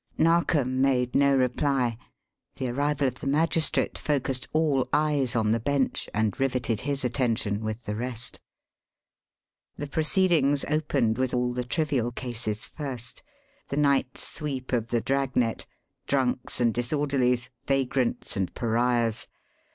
Narkom made no reply. The arrival of the magistrate focussed all eyes on the bench and riveted his attention with the rest. The proceedings opened with all the trivial cases first the night's sweep of the dragnet: drunks and disorderlies, vagrants and pariahs.